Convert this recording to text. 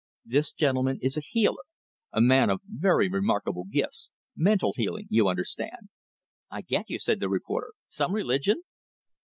"This gentleman is a healer, a man of very remarkable gifts. Mental healing, you understand." "I get you," said the reporter. "Some religion?"